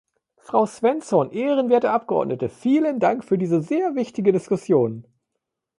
Frau Svensson, ehrenwerte Abgeordnete, vielen Dank für diese sehr wichtige Diskussion.